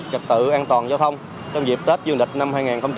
trật tự an toàn giao thông trong dịp tết dương lịch năm hai nghìn một mươi bảy